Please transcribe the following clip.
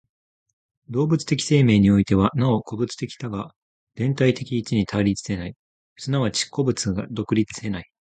動物的生命においては、なお個物的多が全体的一に対立せない、即ち個物が独立せない。